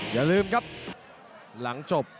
อย่าลืมครับหลังจบ